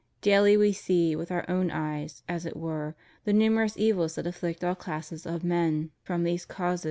Daily we see, with our own eyes, as it were, the numer ous evils that afflict all classes of men from these causes.